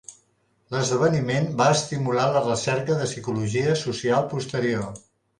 L'esdeveniment va estimular la recerca de psicologia social posterior.